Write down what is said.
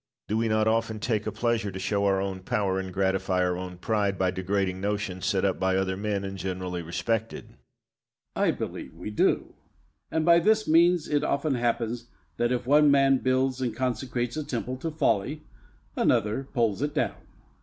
Do we not often take a pleasure to show our own power and gratify our own pride by degrading notions set up by other men and generally respected? Bayle. I believe we do; and by this means it often happens that if one man builds and consecrates a temple to folly, another pulls it down. Locke.